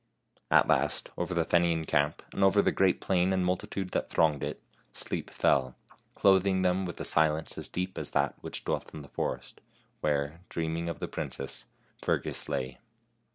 At last, over the Fenian camp, and over the great plain and the multitude that thronged it, sleep fell, clothing them with a silence as deep as that which dwelt in the forest, where, dreaming of the princess, Fergus lay.